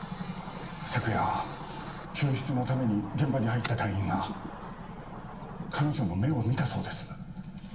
昨夜救出のために現場に入った隊員が彼女の目を見たそうです。